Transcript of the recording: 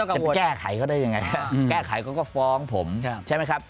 จะแก้ไขเขาได้ยังไงแก้ไขเขาก็ฟ้องผมใช่ไหมครับ